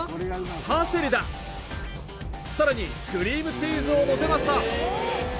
パセリださらにクリームチーズをのせました